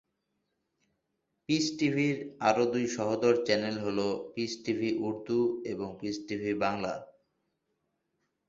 Piece টিভির আরও দুই সহোদর চ্যানেল হল পিস টিভি উর্দু এবং পিস টিভি বাংলা।